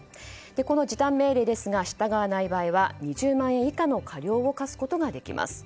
この時短命令ですが従わない場合は２０万円以下の過料を科すことができます。